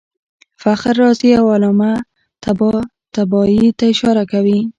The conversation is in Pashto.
فخر رازي او علامه طباطبايي ته اشاره کوي.